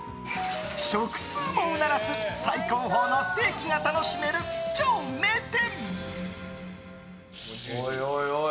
食通もうならす最高峰のステーキが楽しめる超名店。